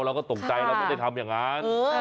เราก็ต้องใจเราก็จะทำอย่างงั้น